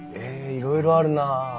いろいろあるな。